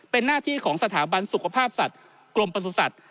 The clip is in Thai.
เป็นหน้าที่ของสถาบันสุขภาพสัตว์กรมประสุทธิ์